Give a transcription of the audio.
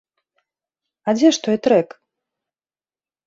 А дзе ж той трэк?